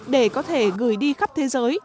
để có thể gửi đi khắp thế giới